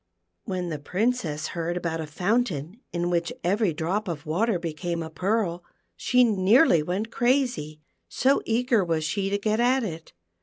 When the Princess heard about a fountain in which every drop of water became a pearl she nearly went crazy, so eager was she to get at it.